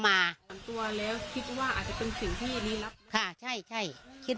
มาส่วนตัวแล้วคิดว่าอาจจะเป็นสิ่งที่ลี้ลับค่ะใช่ใช่คิด